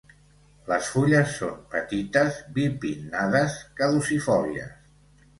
Les fulles són petites bipinnades, caducifòlies.